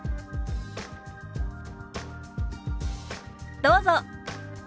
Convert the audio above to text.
どうぞ。